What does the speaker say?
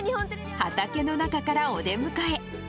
畑の中からお出迎え。